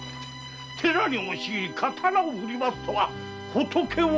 寺に押し入り刀を振り回すとは仏を恐れぬ輩！